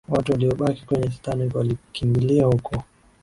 watu waliyobaki kwenye titanic walikimbilia huko